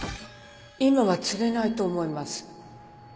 今は釣れないと思います